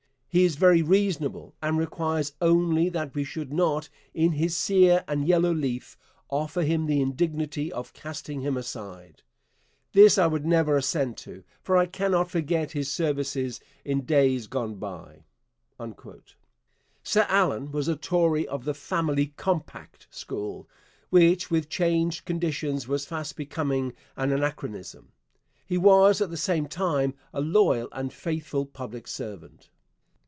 He is very reasonable, and requires only that we should not in his 'sere and yellow leaf' offer him the indignity of casting him aside. This I would never assent to, for I cannot forget his services in days gone by. Sir Allan was a Tory of the 'Family Compact' school, which with changed conditions was fast becoming an anachronism. He was at the same time a loyal and faithful public servant.